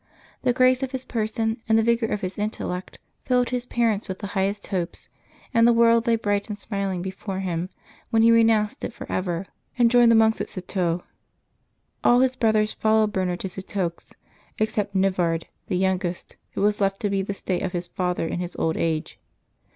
The grace of his person and the vigor of his intellect filled his parents with the highest hopes, and the world lay bright and smiling before him when he re nounced it forever and joined the monks at Citeaux. All his brothers followed Bernard to Citeaux except Nivard, the youngest, who was left to be the stay of his father in his old age.